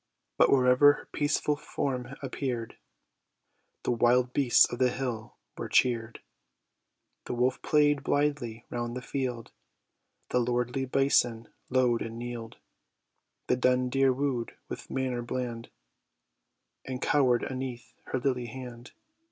But wherever her peaceful form appear'd, The wild beasts of the hill were cheer'd; The wolf play'd blythly round the field, The lordly bison low'd and kneel'd; The dun deer woo'd with manner bland, And cower'd aneath her lily hand.